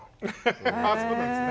あそうなんですね。